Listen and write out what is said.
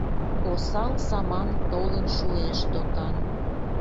Осал саман толын шуэш, докан…